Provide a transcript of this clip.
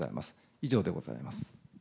以上でございます。